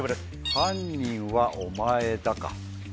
「犯人はお前だ」か。